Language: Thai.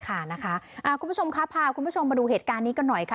คุณผู้ชมครับพาคุณผู้ชมมาดูเหตุการณ์นี้กันหน่อยค่ะ